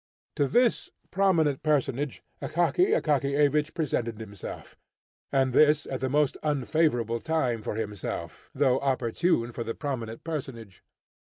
To this prominent personage Akaky Akakiyevich presented himself, and this at the most unfavourable time for himself, though opportune for the prominent personage.